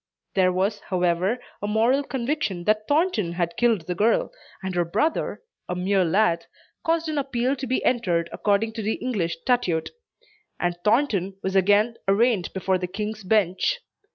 There was however a moral conviction that Thornton had killed the girl, and her brother, a mere lad, caused an appeal to be entered according to the English statute, and Thornton was again arraigned before the King's Bench.